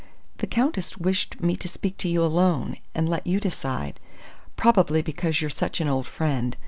"The Countess wished me to speak to you alone, and let you decide. Probably because you're such an old friend.